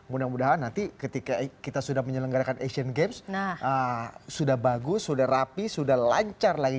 mudah mudahan nanti ketika kita sudah menyelenggarakan asian games sudah bagus sudah rapi sudah lancar lagi